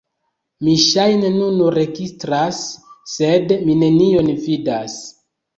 Mi ŝajne nun registras sed mi nenion vidas